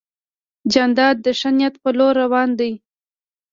جانداد د ښه نیت په لور روان دی.